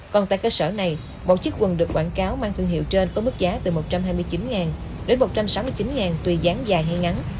còn tại cơ sở này một chiếc quần được quảng cáo mang thương hiệu trên có mức giá từ một trăm hai mươi chín đến một trăm sáu mươi chín tùy dán dài hay ngắn